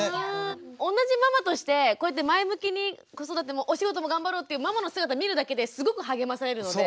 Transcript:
同じママとしてこうやって前向きに子育てもお仕事も頑張ろうっていうママの姿見るだけですごく励まされるので。